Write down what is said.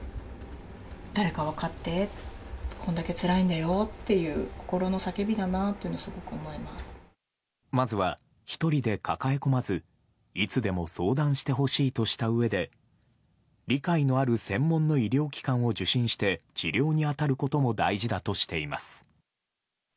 誰か分かって、こんだけつらいんだよっていう、心の叫びだなというのは、すごくまずは１人で抱え込まず、いつでも相談してほしいとしたうえで、理解のある専門の医療機関を受診して、治療に当たることも大事だとしています。